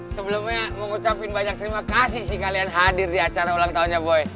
sebelumnya mengucapkan banyak terima kasih sih kalian hadir di acara ulang tahunnya boy